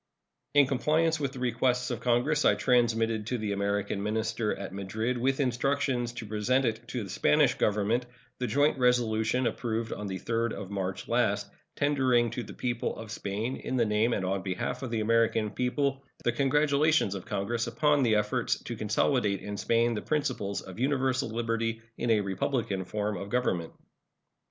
In compliance with the request of Congress, I transmitted to the American minister at Madrid, with instructions to present it to the Spanish Government, the joint resolution approved on the 3d of March last, tendering to the people of Spain, in the name and on the behalf of the American people, the congratulations of Congress upon the efforts to consolidate in Spain the principles of universal liberty in a republican form of government.